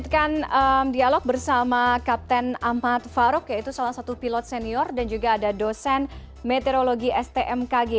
kita akan dialog bersama kapten ahmad farok yaitu salah satu pilot senior dan juga ada dosen meteorologi stmkg